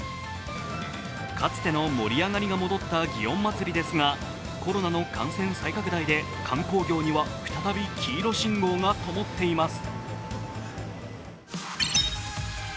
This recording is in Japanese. かつての盛り上がりが戻った祇園祭ですが、コロナの感染再拡大で観光業には再び黄色信号がともっています。